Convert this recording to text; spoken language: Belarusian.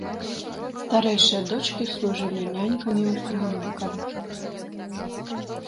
Старэйшыя дочкі служылі нянькамі ў крамнікаў.